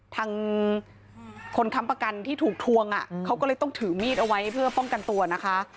ทางคนค้ำประกันที่ถูกทวงอ่ะเขาก็เลยต้องถือมีดเอาไว้เพื่อป้องกันตัวนะคะ